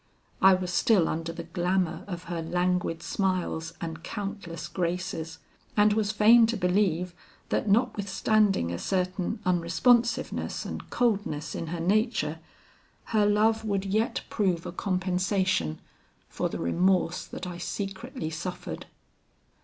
I was still under the glamour of her languid smiles and countless graces, and was fain to believe that notwithstanding a certain unresponsiveness and coldness in her nature, her love would yet prove a compensation for the remorse that I secretly suffered.